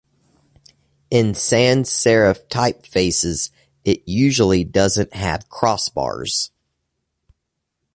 In sans-serif typefaces it usually doesn't have crossbars.